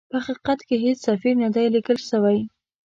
په حقیقت کې هیڅ سفیر نه دی لېږل سوی.